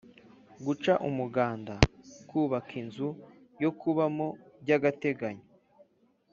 guca umuganda: kubaka inzu yo kubamo by’agateganyo